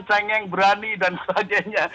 cengeng berani dan sebagainya